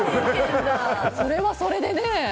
それはそれでね。